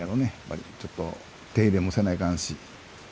ちょっと手入れもせないかんし。